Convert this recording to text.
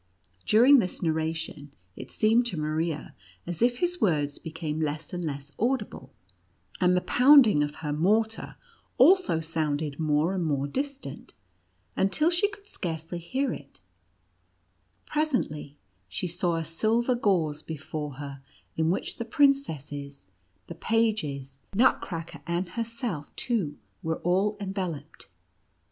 During this narration, it seemed to Maria, as if his words became less and less audible, and the pounding of her mortar also sounded more and more distant, until she could scarcely hear it; presently, she saw a silver gauze before her, in which the princesses, the pages, Nutcracker, and herself, too, were all enveloped.